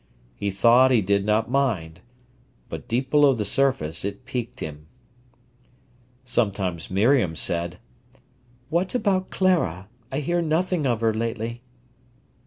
He thought he did not mind. But deep below the surface it piqued him. Sometimes Miriam said: "What about Clara? I hear nothing of her lately."